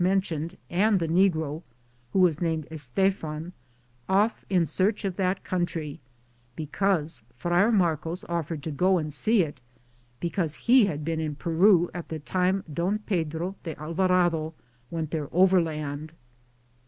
am Google THE JOURNEY OF CORONADO tioned and the negro, who was named Stephen, off in search of that country, be cause Friar Marcos offered to go and see it, because he had been in Peru at the time Don Pedro do Alvarado went there overland.